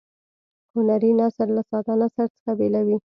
هنري نثر له ساده نثر څخه بیلوي.